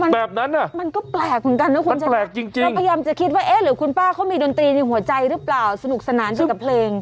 แบบนั้นนะมันแปลกจริงเราพยายามจะคิดว่าเอ๊ะหรือคุณป้าเขามีดนตรีในหัวใจหรือเปล่าสนุกสนานกับเพลง